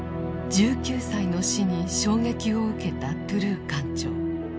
１９歳の死に衝撃を受けたトゥルー艦長。